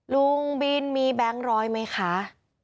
ลุงบินมีแบงค์ร้อยไหมคะ